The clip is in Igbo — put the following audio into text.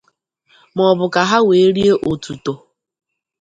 ma ọ bụ ka ha wee rie otuto